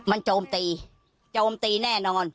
มันโจมตีโจมตีแน่นอน